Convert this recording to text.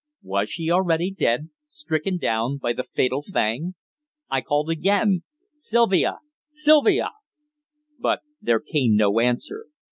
Was she already dead stricken down by the fatal fang? I called again: "Sylvia! Sylvia!" But there came no answer.